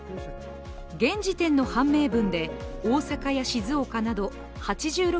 現時点の判明分で、大阪や静岡など８６